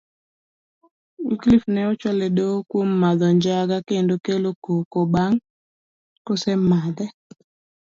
Wyclife ne ochual edoho kuom madho njaga kendo kelo koko bang kaosemadhe.